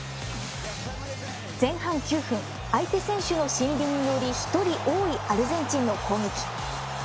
前半９分、相手選手のシンビンにより１人多いアルゼンチンの攻撃。